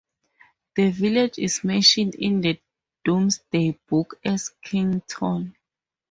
The village is mentioned in the Domesday Book as "Kington".